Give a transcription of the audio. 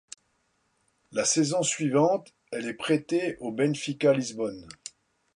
La saison suivante, il est prêté au Benfica Lisbonne.